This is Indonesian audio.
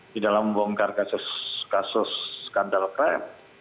di dalam membongkar kasus skandal crime